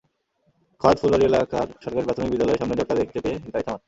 খর্দ ফুলবাড়ী এলাকার সরকারি প্রাথমিক বিদ্যালয়ের সামনে জটলা দেখতে পেয়ে গাড়ি থামান।